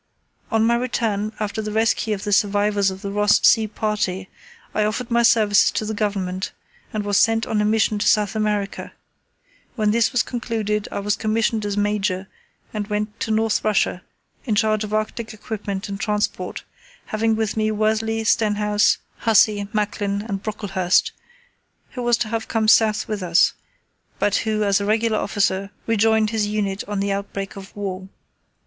On my return, after the rescue of the survivors of the Ross Sea Party, I offered my services to the Government, and was sent on a mission to South America. When this was concluded I was commissioned as Major and went to North Russia in charge of Arctic Equipment and Transport, having with me Worsley, Stenhouse, Hussey, Macklin, and Brocklehurst, who was to have come South with us, but who, as a regular officer, rejoined his unit on the outbreak of war.